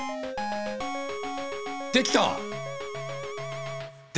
できた！